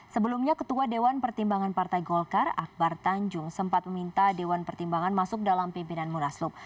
sebelumnya ketua dewan pertimbangan partai golkar akbar tanjung sempat meminta dewan pertimbangan masuk dalam pimpinan munaslup